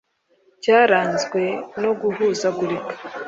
cyaranzwe no guhuzagurika